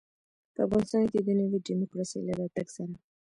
په افغانستان کې د نوي ډيموکراسۍ له راتګ سره.